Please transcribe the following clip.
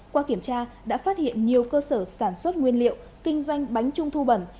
qua kiểm tra đã phát hiện nhiều cơ sở sản xuất nguyên liệu kinh doanh bánh trung thu bẩn